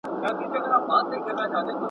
په دغه صورت مو وساتی وطن خپل!